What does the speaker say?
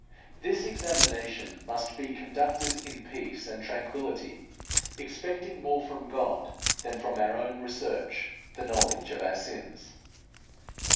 This examination must be conducted in peace and tranquillity, expecting more from God than from our own research the knowledge of our sins.